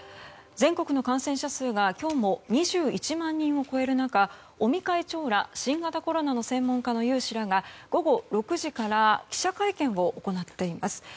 全国の感染者数が今日も２１万人を超える中尾身会長ら新型コロナの専門家の有志らが午後６時から記者会見を行っています。